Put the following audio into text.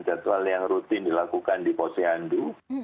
jadwal yang rutin dilakukan di posyandu